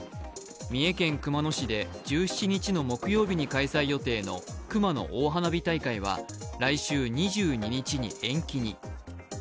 三重県熊野市で１７日の木曜日に開催予定の熊野大花火大会は来週２２日に延期に。